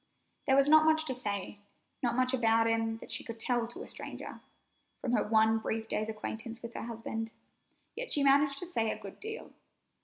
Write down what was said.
There was not much to say, not much about him that she could tell to a stranger, from her one brief day's acquaintance with her husband, yet she managed to say a good deal.